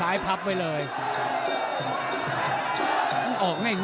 ฝ่ายทั้งเมืองนี้มันตีโต้หรืออีโต้